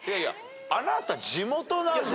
あなた地元なんですから。